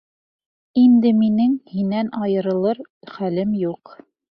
Инде минең һинән айырылыр хәлем юҡ.